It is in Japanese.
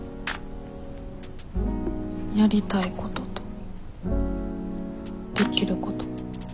やりたいこととできること。